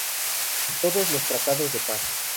De todos los tratados de paz.